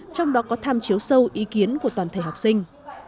trong đó có tham chiếu sâu ý kiến của toàn thể học sinh